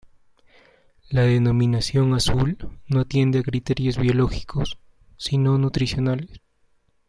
La denominación azul no atiende a criterios biológicos, sino nutricionales.